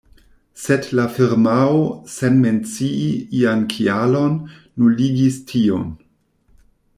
Sed la firmao, sen mencii ian kialon, nuligis tiun.